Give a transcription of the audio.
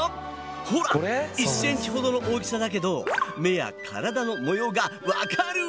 ほら１センチほどの大きさだけど目や体の模様がわかる！